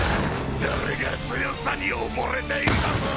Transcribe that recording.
誰が強さに溺れているだと！